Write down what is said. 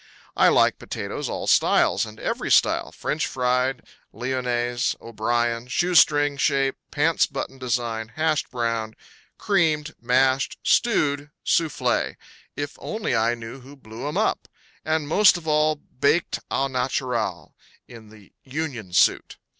I like potatoes all styles and every style, French fried, lyonnaise, O'Brien, shoestring shape, pants button design, hashed brown, creamed, mashed, stewed, soufflé if only I knew who blew 'em up and most of all, baked au naturel in the union suit.